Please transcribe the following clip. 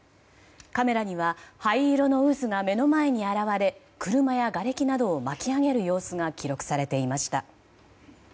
カメラには灰色の渦が目の前に現れ車や、がれきなどを巻き上げる様子が記録されていました。